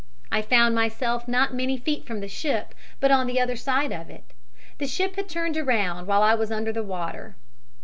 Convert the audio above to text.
I found myself not many feet from the ship, but on the other side of it. The ship had turned around while I was under the water.